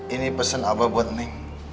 ini pesen abah buat neng